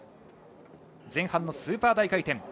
前半のスーパー大回転